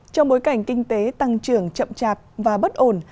trong bối cảnh kinh tế tăng trưởng chậm chạp và bất ổn